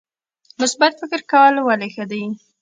مثبت فکر کول ولې ښه دي؟